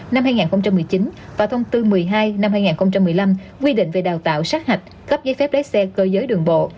năm hai nghìn một mươi chín và thông tư một mươi hai năm hai nghìn một mươi năm quy định về đào tạo sát hạch cấp giấy phép lái xe cơ giới đường bộ